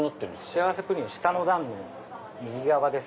幸せプリンは下の段の右側です。